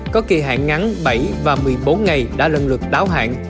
có kỳ hạn ngắn bảy và một mươi bốn ngày đã lần lượt đáo hạn